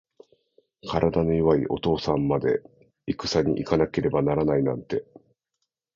体の弱いお父さんまで、いくさに行かなければならないなんて。